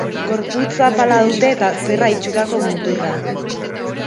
Gorputz zapala dute eta zerra itxurako muturra.